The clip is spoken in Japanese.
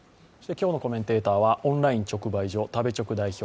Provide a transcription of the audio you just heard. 今日のコメンテーターはオンライン直売所、食べチョク代表